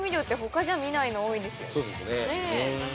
そうですね。